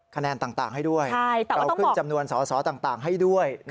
คะแนนต่างให้ด้วยเราขึ้นจำนวนสอสอต่างให้ด้วย